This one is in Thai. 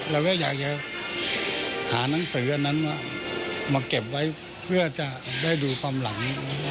เราก็อยากจะหานังสืออันนั้นมาเก็บไว้เพื่อจะได้ดูความหลัง